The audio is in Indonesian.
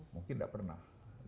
mungkin tidak pernah